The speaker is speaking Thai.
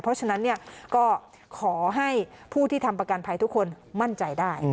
เพราะฉะนั้นก็ขอให้ผู้ที่ทำประกันภัยทุกคนมั่นใจได้